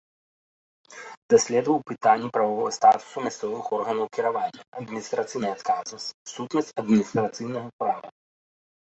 Даследаваў пытанні прававога статуса мясцовых органаў кіравання, адміністрацыйнай адказнасці, сутнасць адміністрацыйнага права.